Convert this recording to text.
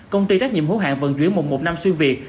công ty trách nhiệm hữu hạng vận chuyển mục một năm xuyên việt